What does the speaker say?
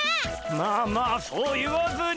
まあまあそう言わずに。